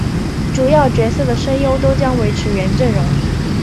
主要角色的声优都将维持原阵容。